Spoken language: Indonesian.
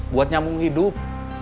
buat nyamung hidup